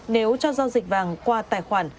nếu cho giao dịch vàng qua tài khoản